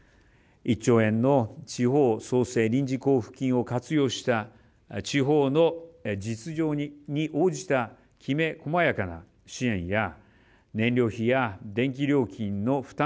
１兆円の地方創生臨時交付金を活用した地域、地方の実情に応じたきめ細やかな支援や燃料費や電気料金の負担